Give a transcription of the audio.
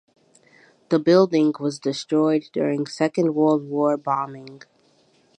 The building was destroyed during Second World War bombing.